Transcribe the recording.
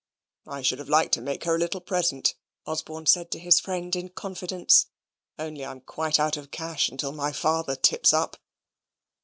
"I should have liked to make her a little present," Osborne said to his friend in confidence, "only I am quite out of cash until my father tips up."